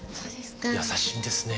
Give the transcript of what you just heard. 優しいんですね。